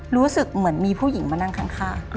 รู้สึกเหมือนมีผู้หญิงมานั่งข้าง